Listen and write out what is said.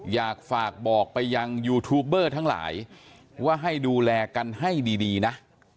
อยากฝากบอกไปยังยูทูบเบอร์ทั้งหลายว่าให้ดูแลกันให้ดีนะ